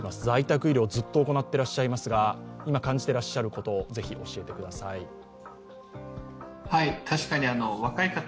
在宅医療をずっと行っていらっしゃいますが、今、感じていらっしゃること、ぜひ教えてください。